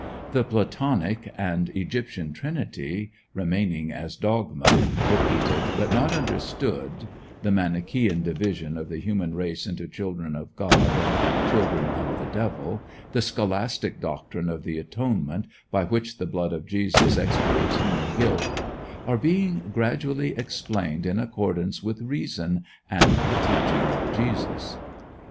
The Platonic and Egyptian Trinity remaining as dogma, repeated but not understood, the Manichæan division of the human race into children of God and children of the Devil, the scholastic doctrine of the Atonement, by which the blood of Jesus expiates human guilt, are being gradually explained in accordance with reason and the teaching of Jesus.